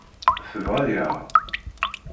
Tebra-yaɣ.